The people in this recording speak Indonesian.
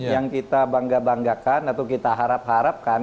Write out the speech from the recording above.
yang kita bangga banggakan atau kita harap harapkan